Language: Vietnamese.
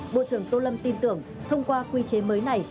bộ trưởng tô lâm tin tưởng thông qua quy chế mới này